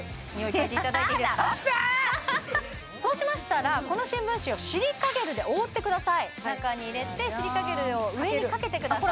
嗅いでいただいていいですかそうしましたらこの新聞紙をシリカゲルで覆ってください中に入れてシリカゲルを上にかけてください